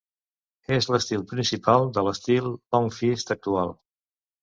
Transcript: És l'estil principal de l'estil Long Fist actual.